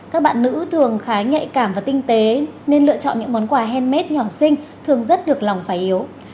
các bạn nữ thường khá nhạy cảm và tinh tế nên lựa chọn những món quà handmade nhỏ sinh thường rất được lòng phải yếu